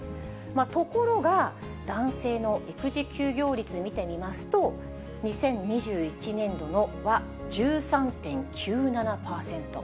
ところが、男性の育児休業率、見てみますと、２０２１年度は１３．９７％。